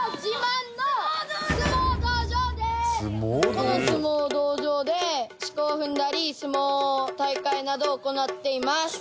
この相撲道場で四股を踏んだり相撲大会などを行っています。